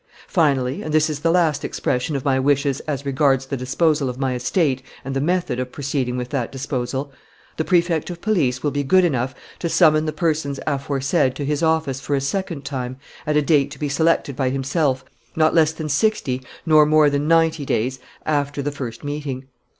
Finally and this is the last expression of my wishes as regards the disposal of my estate and the method of proceeding with that disposal the Prefect of Police will be good enough to summon the persons aforesaid to his office, for a second time, at a date to be selected by himself, not less than sixty nor more than ninety days after the first meeting.